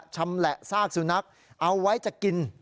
ชำแหละซากสุนัขเอาไว้จะกิน